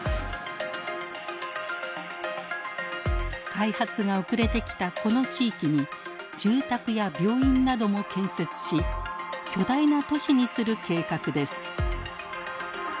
開発が遅れてきたこの地域に住宅や病院なども建設し巨大な都市にする計画です。